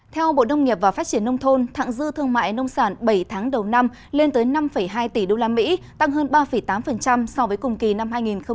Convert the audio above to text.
theo bộ đông nghiệp và phát triển nông thôn thẳng dư thương mại nông sản bảy tháng đầu năm lên tới năm hai tỷ usd tăng hơn ba tám so với cùng kỳ năm hai nghìn một mươi chín